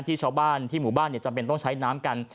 ชาวบ้านที่หมู่บ้านจำเป็นต้องใช้น้ำกัน